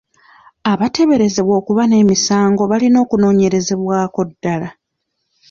Abateeberezebwa okuba n'emisango balina okunoonyerezebwako ddala.